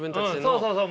そうそうそう。